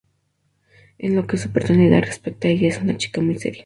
En lo que a su personalidad respecta ella es una chica muy seria.